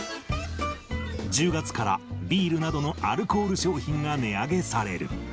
１０月からビールなどのアルコール商品が値上げされる。